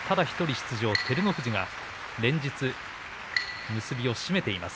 出場照ノ富士が連日結びを締めています。